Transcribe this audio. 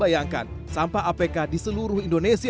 bayangkan sampah apk di seluruh indonesia